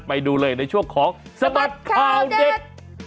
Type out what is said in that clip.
ไปดูเลยในช่วงของสบัดข่าวเด็ด